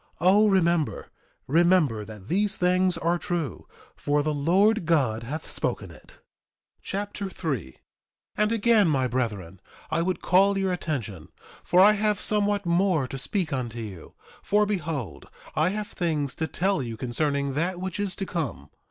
O remember, remember that these things are true; for the Lord God hath spoken it. Mosiah Chapter 3 3:1 And again my brethren, I would call your attention, for I have somewhat more to speak unto you; for behold, I have things to tell you concerning that which is to come.